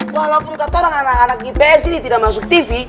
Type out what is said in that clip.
walaupun katorang anak anak gpn sini tidak masuk tv